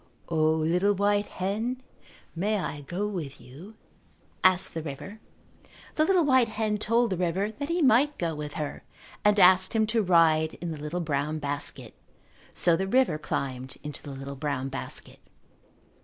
"O, little white hen, may I go with you?" asked the river. The little white hen told the river that he might go with her and asked him to ride in the little brown basket. So the river climbed into the little brown basket.